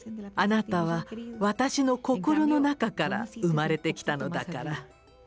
あなたは私の心の中から生まれてきたのだから」。